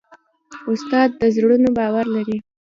استاد د زړونو باور لري.